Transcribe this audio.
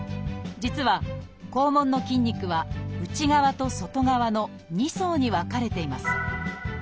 実は肛門の筋肉は内側と外側の２層に分かれています。